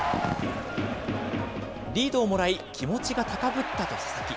リードをもらい、気持ちが高ぶったと佐々木。